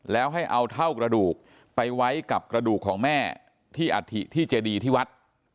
แล้วให้เอาเท่ากระดูกไปไว้กับกระดูกของแม่ที่อัฐิที่เจดีที่วัด